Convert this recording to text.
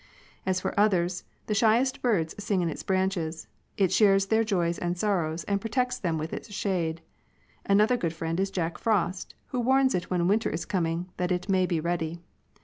As for others, the shyest birds sing in its branches; it shares their joys and sorrows, and protects them with its shade. Another good friend is Jack Frost, who warns it when winter is coming, that it may be ready.